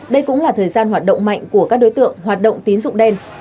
đây cũng là thời gian hoạt động mạnh của các đối tượng hoạt động tín dụng đen